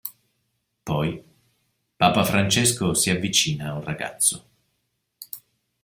Poi Papa Francesco si avvicina a un ragazzo.